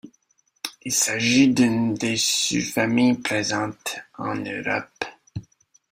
Il s'agit d'une des sous-familles présentes en Europe.